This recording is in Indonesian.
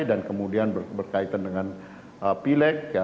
dan kemudian berkaitan dengan pilek